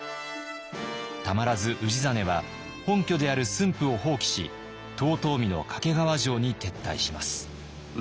たまらず氏真は本拠である駿府を放棄し遠江の懸川城に撤退します。